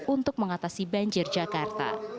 untuk mengatasi banjir jakarta